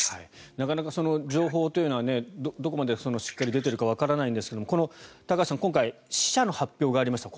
なかなか情報というのはどこまでしっかり出ているかわからないんですが高橋さん、今回死者の発表がありました。